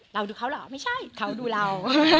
เราดูเขาเหรอไม่ใช่เขาดูเรา